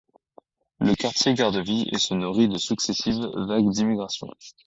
Le quartier garde vie et se nourrit de successives vagues d’immigrations.